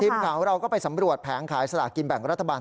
ทีมข่าวของเราก็ไปสำรวจแผงขายสลากกินแบ่งรัฐบาล